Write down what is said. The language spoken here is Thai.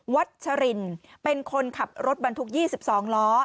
ชัชรินเป็นคนขับรถบรรทุก๒๒ล้อ